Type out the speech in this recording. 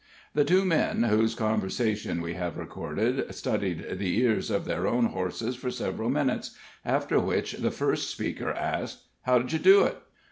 The two men whose conversation we have recorded studied the ears of their own horses for several minutes, after which the first speaker asked: "How did you do it?"